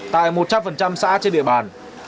tại một trăm linh xã trên địa bàn